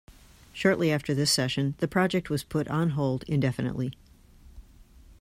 Shortly after this session the project was put on hold indefinitely.